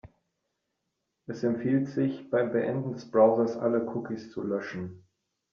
Es empfiehlt sich, beim Beenden des Browsers alle Cookies zu löschen.